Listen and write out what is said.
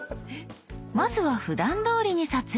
まずはふだんどおりに撮影。